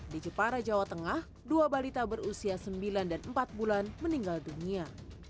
di jepara jawa tengah dua balita berusia sembilan dan empat bulan meninggal dunia